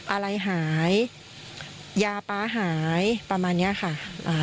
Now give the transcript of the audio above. อะไรหายยาป๊าหายประมาณเนี้ยค่ะอ่า